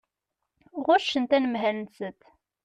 Ɣuccent anemhal-nsent.